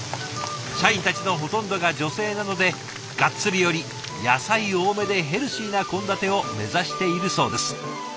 社員たちのほとんどが女性なのでがっつりより野菜多めでヘルシーな献立を目指しているそうです。